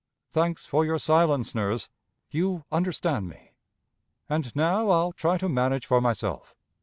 "Thanks for your silence, nurse! You understand me! And now I'll try to manage for myself.